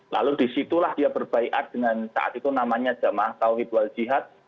lalu disitulah dia berbaikat dengan saat itu namanya jamaah tauhid wal jihad